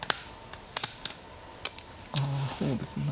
ああそうですね。